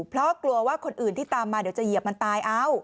เพราะกลัวว่าคนอื่นที่ตามมาเดี๋ยวจะเหยียบมันตายเอา